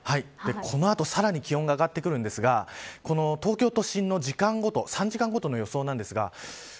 この後、さらに気温が上がってくるんですが東京都心の時間ごと３時間ごとの予想です。